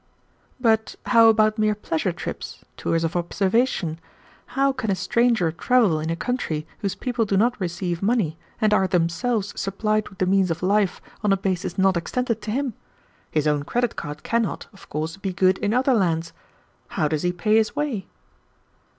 "But how about mere pleasure trips; tours of observation? How can a stranger travel in a country whose people do not receive money, and are themselves supplied with the means of life on a basis not extended to him? His own credit card cannot, of course, be good in other lands. How does he pay his way?"